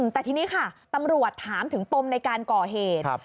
แต่ทีนี้ค่ะตำรวจถามถึงปมในการก่อเหตุ